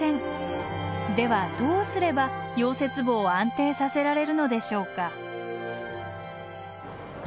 ではどうすれば溶接棒を安定させられるのでしょうか？